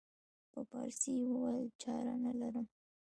په پارسي یې وویل چاره نه لرم.